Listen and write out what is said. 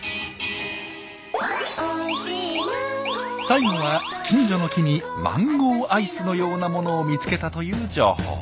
最後は近所の木にマンゴーアイスのようなものを見つけたという情報。